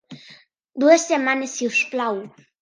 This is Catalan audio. Dues setmanes, si us plau.